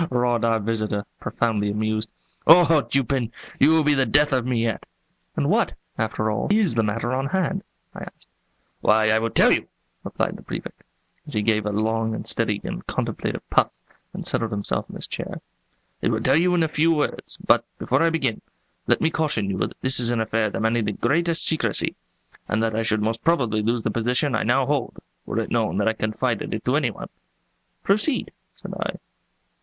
"Ha! ha! ha! ha! ha! ha! ho! ho! ho!" roared our visitor, profoundly amused. "Oh, Dupin, you will be the death of me yet!" "And what, after all, is the matter on hand?" I asked. "Why, I will tell you," replied the Prefect, as he gave a long, steady, and contemplative puff and settled himself in his chair, "I will tell you in a few words; but, before I begin, let me caution you that this is an affair demanding the greatest secrecy, and that I should most probably lose the position I now hold were it known that I confided it to anyone." "Proceed," said I.